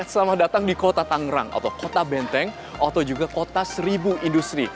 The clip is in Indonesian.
selamat datang di kota tangerang atau kota benteng atau juga kota seribu industri